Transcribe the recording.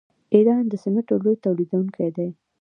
ایران د سمنټو لوی تولیدونکی دی.